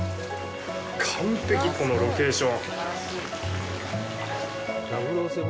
完璧、このロケーション。